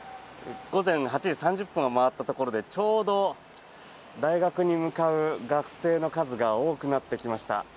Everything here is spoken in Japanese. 午前８時３０分を回ったところでちょうど大学に向かう学生の数が多くなってきました。